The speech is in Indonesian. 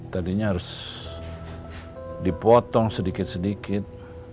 tadinya harus dipotong sedikit sedikit